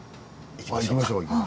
行きましょうか。